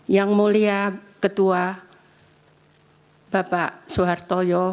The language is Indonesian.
yang mulia ketua bapak suhartoyo